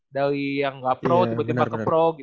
dari yang gak pro tiba tiba ke pro gitu